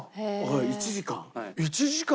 １時間？